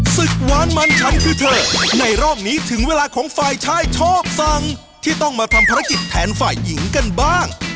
หวานมันฉันคือเธอในรอบนี้ถึงเวลาของฝ่ายชายชอบสั่งที่ต้องมาทำภารกิจแทนฝ่ายหญิงกันบ้าง